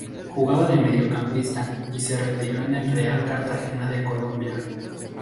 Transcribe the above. Jugaba de mediocampista y se retiró en el Real Cartagena de Colombia.